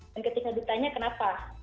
dan ketika ditanya kenapa